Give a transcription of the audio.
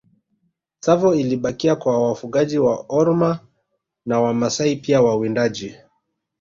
Tsavo ilibakia kwa wafugaji wa Orma na Wamasai pia wawindaji